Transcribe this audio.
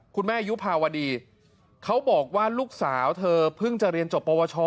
ยุภาวดีเขาบอกว่าลูกสาวเธอเพิ่งจะเรียนจบปวช